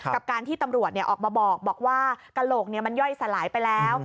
กับการที่ตำรวจออกมาบอกว่ากระโหลกมันย่อยสลายไปแล้ว